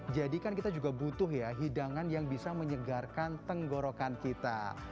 jadi kan kita juga butuh hidangan yang bisa menyegarkan tenggorokan kita